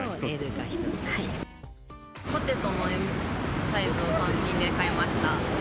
ポテトのＭサイズを単品で買いました。